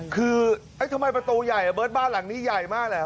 คือทำไมประตูใหญ่อ่ะเบิร์ตบ้านหลังนี้ใหญ่มากเหรอ